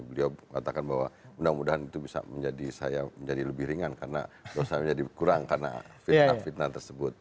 beliau mengatakan bahwa mudah mudahan itu bisa menjadi saya menjadi lebih ringan karena dosa menjadi kurang karena fitnah fitnah tersebut